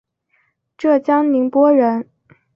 浙江宁波人。